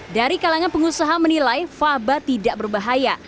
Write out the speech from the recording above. dari kalangan pengusaha menilai faba tidak berbahaya